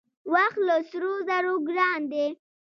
وخت له سرو زرو ګران دی .